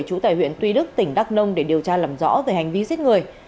chủ tài huyện tuy đức tỉnh đắk nông để điều tra làm rõ về hành vi giết người